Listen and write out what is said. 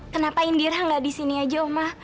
kenapa indira gak di sini aja oma